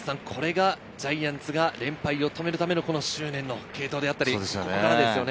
これがジャイアンツが連敗を止めるための執念の継投だったり、ここからですね。